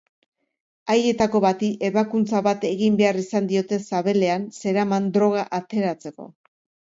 Haietako bati ebakuntza bat egin behar izan diote sabelean zeraman droga ateratzeko.